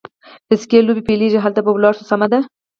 د سکې لوبې پیلېږي، هلته به ولاړ شو، سمه ده.